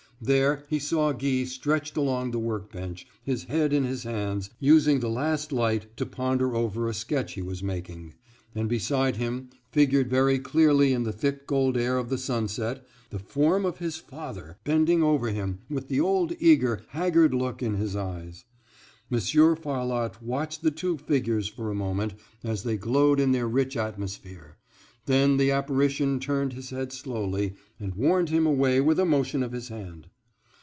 There he saw Guy stretched along the work bench, his head in his hands, using the last light to ponder over a sketch he was making, and beside him, figured very clearly in the thick gold air of the sunset, the form of his father, bending over him, with the old eager, haggard look in his eyes. Monsieur Farlotte watched the two figures for a moment as they glowed in their rich atmosphere; then the apparition turned his head slowly, and warned him away with a motion of his hand.